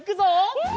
うん。